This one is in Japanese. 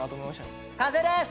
完成です！